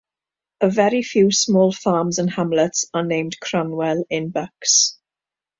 A few very small farms and hamlets are named Cranwell in Bucks.